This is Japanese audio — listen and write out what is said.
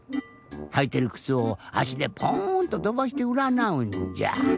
はいてるくつをあしでポーンととばしてうらなうんじゃ。